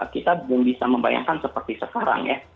kita belum bisa membayangkan seperti sekarang ya